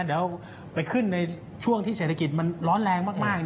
เดี๋ยวไปขึ้นในช่วงที่เศรษฐกิจมันร้อนแรงมาก